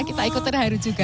kita ikut terharu juga